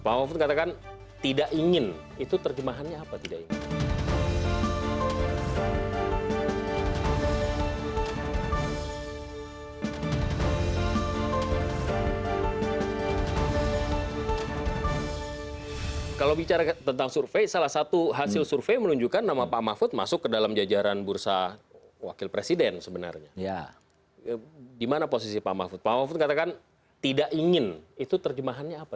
pak mahfud katakan tidak ingin itu terjemahannya apa tidak ingin